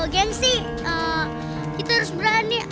gengsi kita harus berani